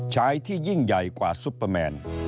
ชายที่ยิ่งใหญ่กว่าซุปเปอร์แมน